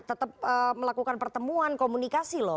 tetap melakukan pertemuan komunikasi loh